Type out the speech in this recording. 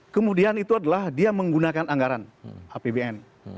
kemudian itu adalah dia menggunakan anggaran apbn